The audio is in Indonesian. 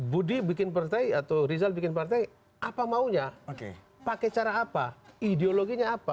budi bikin partai atau rizal bikin partai apa maunya pakai cara apa ideologinya apa